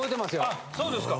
あそうですか。